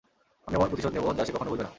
আমি এমন প্রতিশোধ নেবো, যা সে কখনো ভুলবে না।